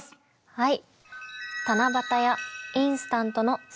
はい。